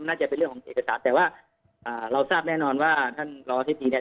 น่าจะเป็นเรื่องของเอกสารแต่ว่าอ่าเราทราบแน่นอนว่าท่านรองอธิบดีเนี่ย